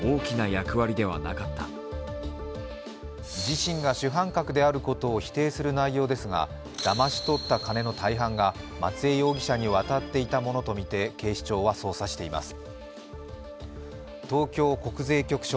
自身が主犯格であることを否定する内容ですが、だまし取った金の大半が松江容疑者に渡っていたものとみて警視庁は捜査しています。